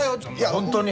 本当に。